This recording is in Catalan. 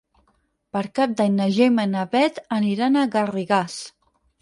Per Cap d'Any na Gemma i na Bet aniran a Garrigàs.